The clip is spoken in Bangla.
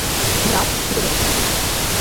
ধীরাজ, ভিতরে আসো।